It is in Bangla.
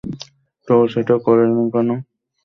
তো সেটা করোনি কেন?